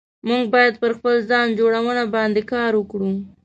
موږ بايد پر خپل ځان جوړونه باندي کار وکړو